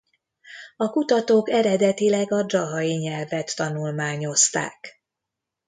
A kutatók eredetileg a dzsahai nyelvet tanulmányozták.